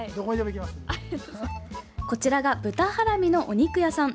こちらが豚ハラミのお肉屋さん